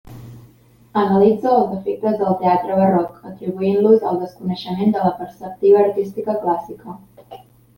Analitza els defectes del teatre barroc atribuint-los al desconeixement de la preceptiva artística clàssica.